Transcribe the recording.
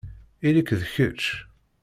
Ili-k d kečč.